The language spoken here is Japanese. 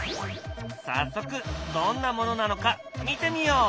早速どんなものなのか見てみよう！